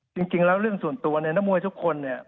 จริงแล้วเรื่องส่วนตัวเนี่ยนักมวยทุกคนเนี่ย